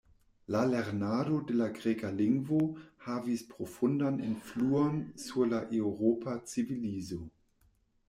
La lernado de la Greka lingvo havis profundan influon sur la Eŭropa civilizo.